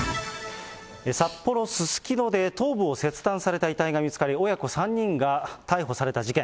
札幌・すすきので頭部を切断された遺体が見つかり、親子３人が逮捕された事件。